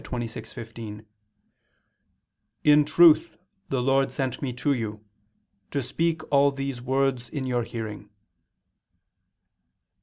26:15): "In truth the Lord sent me to you, to speak all these words in your hearing."